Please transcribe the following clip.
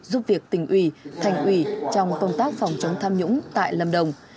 giúp việc tỉnh ủy thành ủy trong công tác phòng chống tham nhũng tại lâm đồng